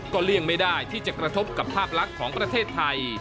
เลี่ยงไม่ได้ที่จะกระทบกับภาพลักษณ์ของประเทศไทย